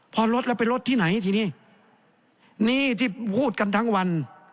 พอลดแล้วไปลดที่ไหนทีนี้นี่ที่พูดกันทั้งวัน